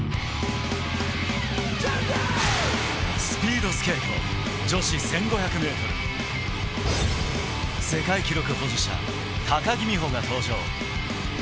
スピードスケート女子１５００ｍ、世界記録保持者、高木美帆が登場。